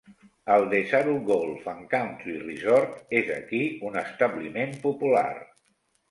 El Desaru Golf and Country Resort és, aquí, un establiment popular.